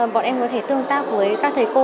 bọn em có thể tương tác với các thầy cô